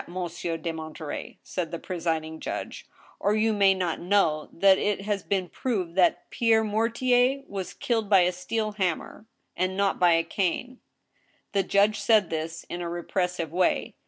Monsieur de Monterey," said the presiding judge, " or you may not know, that it has been proved that Pierre Mortier was killed by a steel hammer, and not by a cane." The judge said this in a repressive way.